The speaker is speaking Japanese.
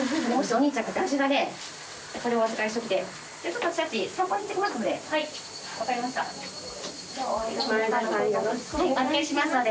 お預かりしますので。